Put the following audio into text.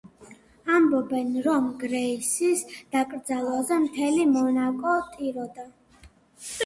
ამბობენ, რომ გრეისის დაკრძალვაზე მთელი მონაკო ტიროდა.